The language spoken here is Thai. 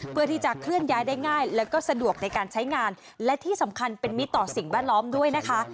เพื่อที่จะเคลื่อนย้ายได้ง่ายแล้วก็สะดวกในการใช้งานและที่สำคัญเป็นมิตรต่อสิ่งแวดล้อมด้วยนะคะ